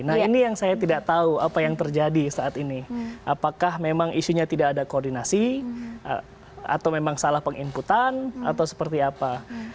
nah ini yang saya tidak tahu apa yang terjadi saat ini apakah memang isunya tidak ada koordinasi atau memang salah penginputan atau seperti apa